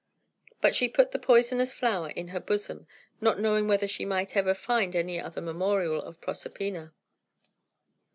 But she put the poisonous flower in her bosom, not knowing whether she might ever find any other memorial of Proserpina.